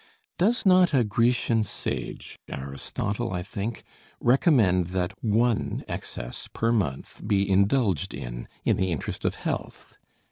Does not a Grecian sage Aristotle, I think recommend that one excess per month be indulged in, in the interest of health?